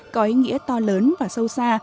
có ý nghĩa to lớn và sâu xa